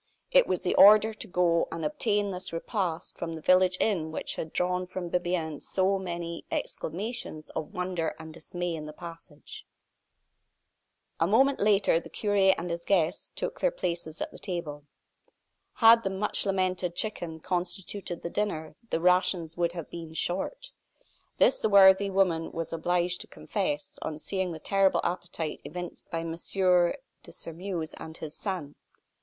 It was the order to go and obtain this repast from the village inn which had drawn from Bibiaine so many exclamations of wonder and dismay in the passage. A moment later the cure and his guests took their places at the table. Had the much lamented chicken constituted the dinner the rations would have been "short." This the worthy woman was obliged to confess, on seeing the terrible appetite evinced by M. de Sairmeuse and his son.